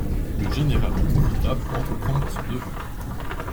Le général en profita pour entreprendre son neveu.